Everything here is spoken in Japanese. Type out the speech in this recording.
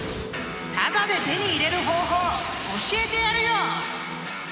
［タダで手に入れる方法教えてやるよ！］